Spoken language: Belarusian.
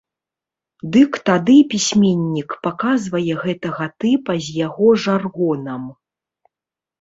Дык тады пісьменнік паказвае гэтакага тыпа з яго жаргонам.